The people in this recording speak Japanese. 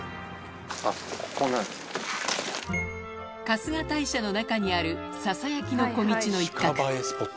春日大社の中にあるささやきの小径の一角